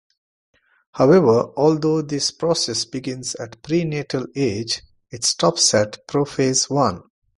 However, although this process begins at prenatal age, it stops at prophase one.